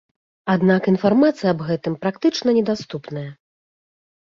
Аднак інфармацыя аб гэтым практычна недаступная.